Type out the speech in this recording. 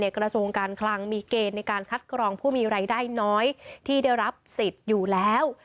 กระทรวงการคลังมีเกณฑ์ในการคัดกรองผู้มีรายได้น้อยที่ได้รับสิทธิ์อยู่แล้ว